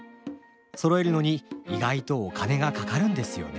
そろえるのに意外とお金がかかるんですよねえ。